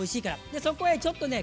でそこへちょっとね